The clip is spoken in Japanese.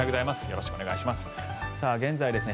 よろしくお願いします。